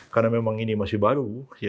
karena memang ini masih baru